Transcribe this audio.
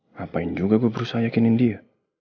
ngapain juga gue berusaha yakinin dia